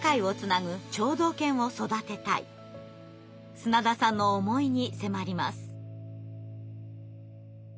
砂田さんの思いに迫ります。